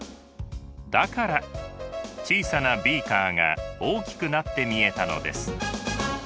だから小さなビーカーが大きくなって見えたのです。